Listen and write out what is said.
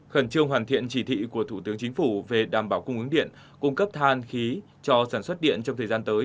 khẩn trương hoàn thiện chỉ thị của thủ tướng chính phủ về đảm bảo cung ứng điện cung cấp than khí cho sản xuất điện trong thời gian tới